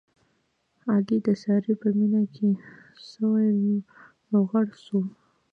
علي د سارې په مینه کې سوی لوغړن شو.